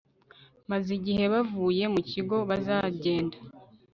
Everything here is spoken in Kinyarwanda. Maze igihe bavuye mu kigo bazagenda